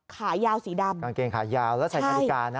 ขายาวสีดำกางเกงขายาวแล้วใส่นาฬิกานะ